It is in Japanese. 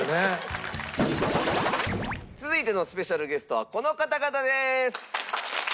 続いてのスペシャルゲストはこの方々です！